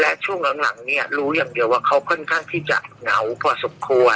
และช่วงหลังเนี่ยรู้อย่างเดียวว่าเขาค่อนข้างที่จะเหงาพอสมควร